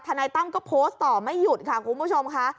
นายตั้มก็โพสต์ต่อไม่หยุดค่ะคุณผู้ชมค่ะ